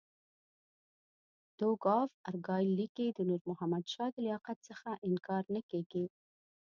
ډوک اف ارګایل لیکي د نور محمد شاه د لیاقت څخه انکار نه کېږي.